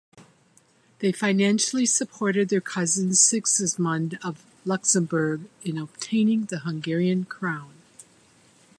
They financially supported their cousin Sigismund of Luxembourg in obtaining the Hungarian crown.